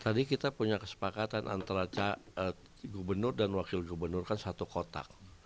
tadi kita punya kesepakatan antara gubernur dan wakil gubernur kan satu kotak